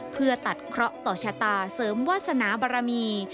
เพื่อตัดเคราะห์ต่อชะตาเสริมวาสนาบารมี